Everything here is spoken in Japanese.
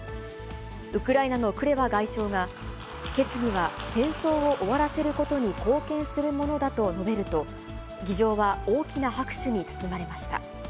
ウクライナのクレバ外相が、決議は戦争を終わらせることに貢献するものだと述べると、議場は大きな拍手に包まれました。